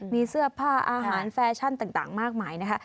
มีเสื้อผ้าอาหารแฟชั่นต่างมากมายนะคะ